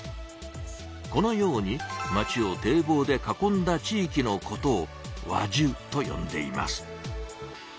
このように町を堤防で囲んだ地いきのことを「輪中」とよんでいます。